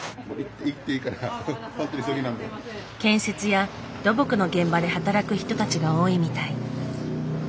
建設や土木の現場で働く人たちが多いみたい。